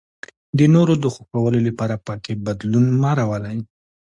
د نورو د خوښولو لپاره پکې بدلون مه راولئ.